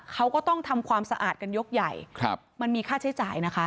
เขาก็ต้องทำความสะอาดกันยกใหญ่มันมีค่าใช้จ่ายนะคะ